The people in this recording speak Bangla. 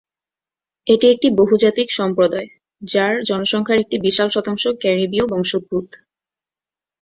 এটি একটি বহুজাতিক সম্প্রদায়, যার জনসংখ্যার একটি বিশাল শতাংশ ক্যারিবীয় বংশোদ্ভূত।